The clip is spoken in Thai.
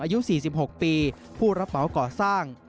อายุ๔๖ปีผู้รับเหมาก่อสร้าง